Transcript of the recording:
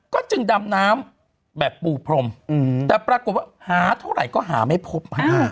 ก็จึงดำน้ำแบบปูพรมแต่ปรากฏว่าหาเท่าไหร่ก็หาไม่พบ